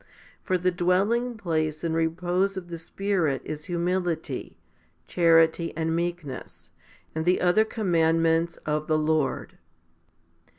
For the dwelling place and repose of the Spirit is humility, chanty and meekness, and the other commandments of the Lord.